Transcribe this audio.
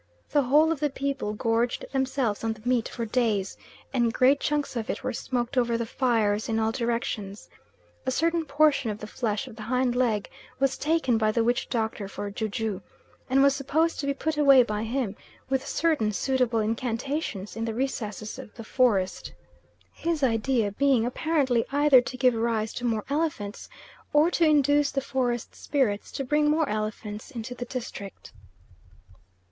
The whole of the people gorged themselves on the meat for days, and great chunks of it were smoked over the fires in all directions. A certain portion of the flesh of the hind leg was taken by the witch doctor for ju ju, and was supposed to be put away by him, with certain suitable incantations in the recesses of the forest; his idea being apparently either to give rise to more elephants, or to induce the forest spirits to bring more elephants into the district.